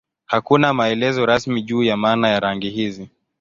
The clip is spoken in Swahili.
Hakuna maelezo rasmi juu ya maana ya rangi hizi.